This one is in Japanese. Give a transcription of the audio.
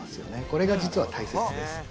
これが実は大切です。